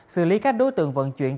xử lý các đối tượng vận chuyển